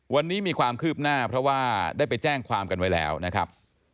วันนี้มีความคืบหน้าเพราะว่าได้ไปแจ้งความกันไว้แล้วนะครับ